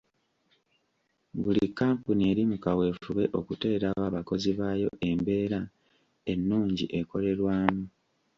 Buli kkampuni eri mu kaweefube okuteerawo abakozi baayo embeera ennungi ekolerwamu.